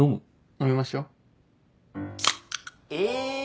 飲みましょ。え！